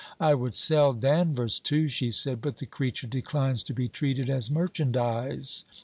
'I would sell Danvers too,' she said, 'but the creature declines to be treated as merchandize.